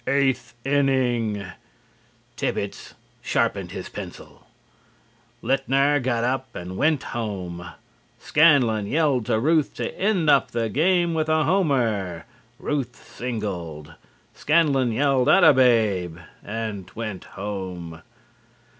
EIGHTH INNING: Thibbets sharpened his pencil. Litner got up and went home. Scanlon yelled to Ruth to end up the game with a homer. Ruth singled. Scanlon yelled "Atta Babe!" and went home.